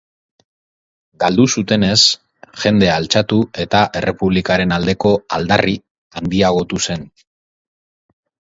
Galdu zutenez jendea altxatu eta errepublikaren aldeko aldarri handiagotu zen.